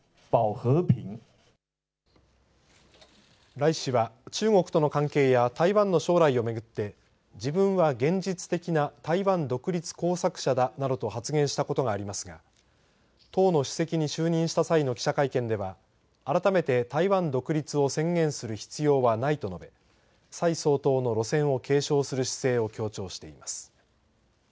頼氏は中国との関係や台湾の将来を巡って自分は現実的な台湾独立工作者だなどと発言したことがありますが党の主席に就任した際の記者会見では改めて台湾独立を宣言する必要はないと述べ蔡総統の路線を継承する姿勢を強調しています。